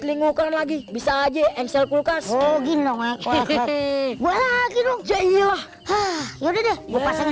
lingukan lagi bisa aja ensel kulkas oh gini dong gue lagi dong ya iya ya udah gue pasang